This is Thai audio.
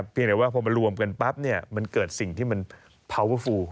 เพียงแต่ว่าพอมารวมกันปั๊บเนี่ยมันเกิดสิ่งที่มันพาเวอร์ฟูล